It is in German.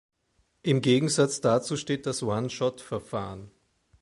Im Gegensatz dazu steht das Oneshot-Verfahren.